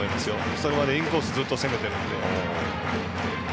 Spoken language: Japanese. それまでインコースをずっと攻めてるので。